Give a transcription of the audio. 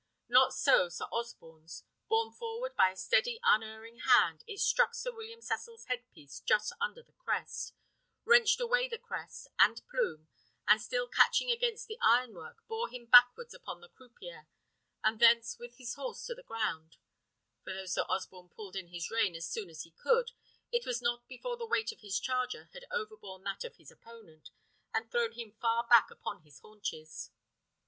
Not so Sir Osborne's; borne forward by a steady, unerring hand, it struck Sir William Cecil's head piece just under the crest, wrenched away the crest and plume, and still catching against the ironwork, bore him backwards upon the croupiere, and thence with his horse to the ground; for though Sir Osborne pulled in his rein as soon as he could, it was not before the weight of his charger had overborne that of his opponent, and thrown him far back upon his haunches.